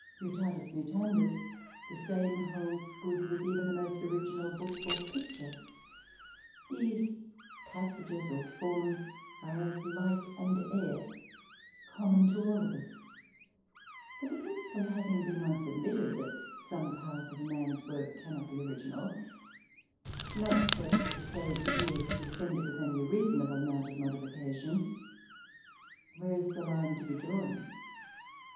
Mutatis mutandis, the same holds good with even the most original book or picture; these passages or forms are as light and air, common to all of us; but the principle having been once admitted that some parts of a man's work cannot be original—not, that is to say, if he has descended with only a reasonable amount of modification—where is the line to be drawn?